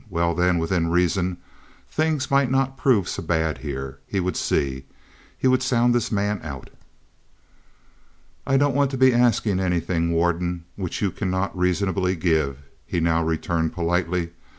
Well, then, within reason, things might not prove so bad here. He would see. He would sound this man out. "I don't want to be asking anything, Warden, which you cannot reasonably give," he now returned politely.